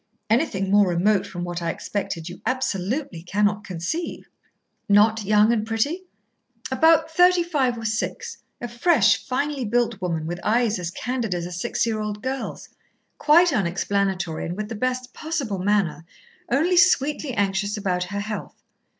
Anything more remote from what I expected you absolutely cannot conceive." "Not young and pretty?" "About thirty five or six. A fresh, finely built woman with eyes as candid as a six year old girl's. Quite unexplanatory and with the best possible manner, only sweetly anxious about her health.